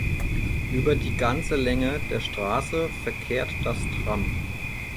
Über die ganze Länge der Strasse verkehrt das Tram.